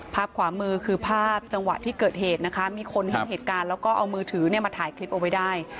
ภาพขวามือคือภาพจังหวะที่เกิดเหตุนะคะมีคนเห็นเหตุการณ์แล้วก็เอามือถือมาถ่ายคลิปเอาไว้ได้